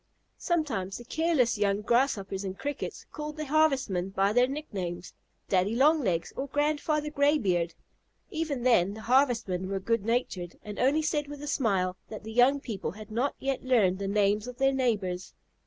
Sometimes the careless young Grasshoppers and Crickets called the Harvestmen by their nicknames, "Daddy Long Legs" or "Grandfather Graybeard." Even then the Harvestmen were good natured, and only said with a smile that the young people had not yet learned the names of their neighbors.